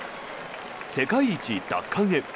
世界一奪還へ。